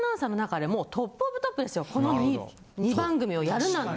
この２番組をやるなんて。